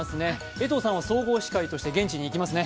江藤さんは総合司会として現地に行きますね。